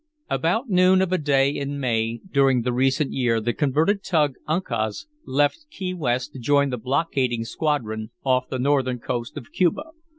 About noon of a day in May during the recent year the converted tug Uncas left Key West to join the blockading squadron off the northern coast of Cuba.